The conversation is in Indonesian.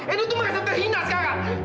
edo tuh merasa terhina sekarang